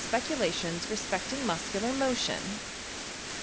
speculations respecting musetdar motion.